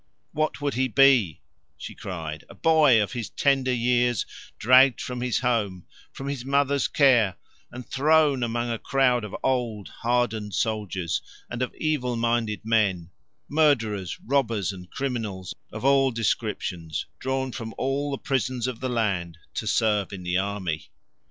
What would he be, she cried, a boy of his tender years dragged from his home, from his mother's care, and thrown among a crowd of old hardened soldiers, and of evil minded men murderers, robbers, and criminals of all descriptions drawn from all the prisons of the land to serve in the army!